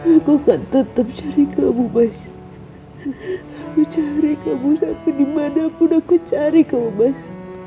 aku akan tetap cari kamu bais aku cari kamu sampai dimanapun aku cari kamu bus